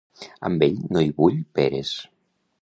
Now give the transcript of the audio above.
Amb ell no hi vull peres.